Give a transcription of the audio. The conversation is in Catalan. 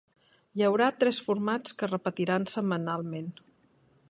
Hi haurà tres formats que es repetiran setmanalment.